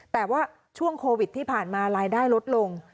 แต่ว่าช่วงโควิดที่ผ่านมารายได้ลดลง